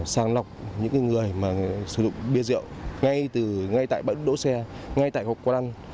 sang lọc những người sử dụng bia rượu ngay tại bãi đốt đỗ xe ngay tại hộp quán ăn